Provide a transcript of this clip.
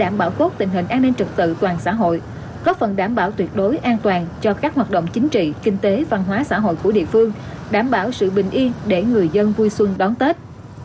đảm bảo an ninh trật tự trên địa bàn giải tán các đối tượng tập đánh bạc